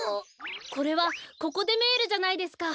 これはココ・デ・メールじゃないですか。